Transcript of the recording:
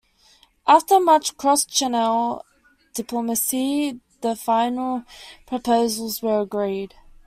After much cross-Channel diplomacy the final proposals were agreed.